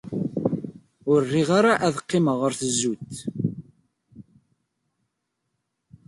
Ur riɣ ara ad qqimeɣ ɣer tzewwut.